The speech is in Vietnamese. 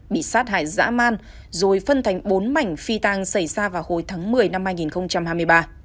bị sát hại dã man rồi phân thành bốn mảnh phi tăng xảy ra vào hồi tháng một mươi năm hai nghìn hai mươi ba